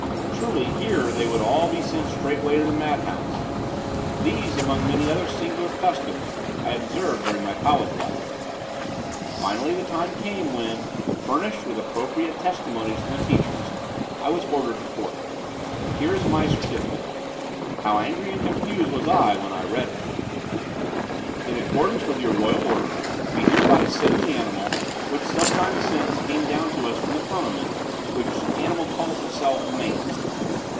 Truly, here they would all be sent straight way to the mad house. These, among many other singular customs, I observed during my college life. Finally, the time came when, furnished with appropriate testimonies from the teachers, I was ordered to court. Here is my certificate. How angry and confused, was I, when I read it: "In accordance with your royal order, we hereby send the animal, which sometime since came down to us from the firmament; which animal calls itself man.